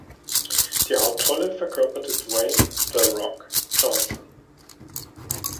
Die Hauptrolle verkörperte Dwayne „The Rock“ Johnson.